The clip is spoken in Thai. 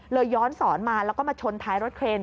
ย้อนสอนมาแล้วก็มาชนท้ายรถเครน